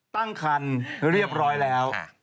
ตั้งคันเรียบร้อยแล้ว